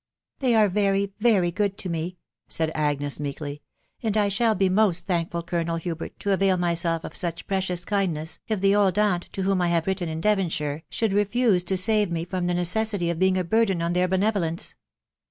" They are very, very good to me," said Agnes meekly ;" and I shall be most thankful, Colonel Hubert, to avail my self of such precious kindness, if the old aunt, to whom I have written, in Devonshire, should refuse to save me from the necessity of being a burden on their benevolence."